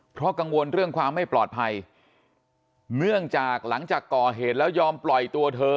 เพราะกังวลเรื่องความไม่ปลอดภัยเนื่องจากหลังจากก่อเหตุแล้วยอมปล่อยตัวเธอ